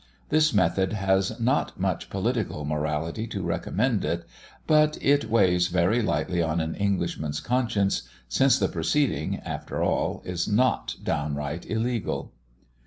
This method has not much political morality to recommend it; but it weighs very lightly on an Englishman's conscience, since the proceeding, after all, is not downright illegal.